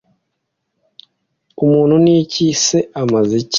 umuntu ni iki? ese amaze iki